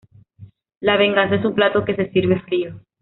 La venganza es un plato que se sirve frío